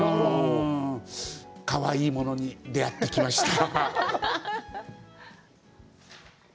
かわいいものに出会ってきました。